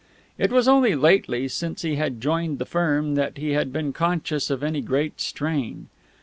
It was only lately, since he had joined the firm, that he had been conscious of any great strain.